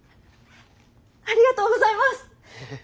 ありがとうございます！